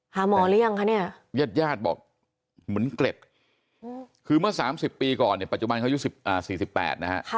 หาหมอหรือยังคะเนี่ยญาติญาติบอกเหมือนเกล็ดคือเมื่อ๓๐ปีก่อนเนี่ยปัจจุบันเขาอายุ๔๘นะฮะ